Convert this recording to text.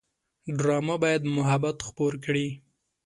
ډرامه باید محبت خپور کړي